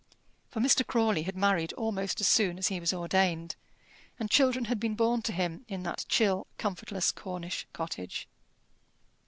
For Mr. Crawley had married almost as soon as he was ordained, and children had been born to him in that chill, comfortless Cornish cottage.